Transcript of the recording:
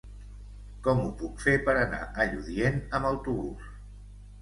Com ho puc fer per anar a Lludient amb autobús?